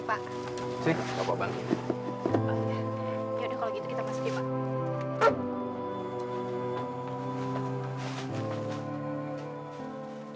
yaudah kalau gitu kita masukin pak